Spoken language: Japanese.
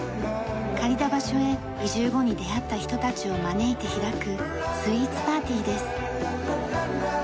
借りた場所へ移住後に出会った人たちを招いて開くスイーツパーティーです。